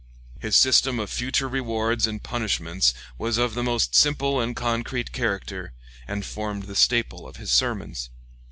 His system of future rewards and punishments was of the most simple and concrete character, and formed the staple of his sermons.